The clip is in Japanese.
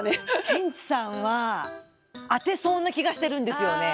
ケンチさんは当てそうな気がしてるんですよね。